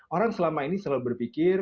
orang selama ini selalu berpikir